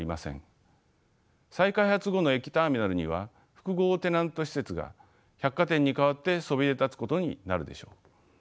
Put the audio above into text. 再開発後の駅ターミナルには複合テナント施設が百貨店に代わってそびえ立つことになるでしょう。